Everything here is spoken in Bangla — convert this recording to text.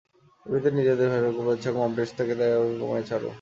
এমনিতেই নিজেদের ভাগে পড়েছে কম, টেস্ট সেখান থেকেও তাই কমে গেছে আরও।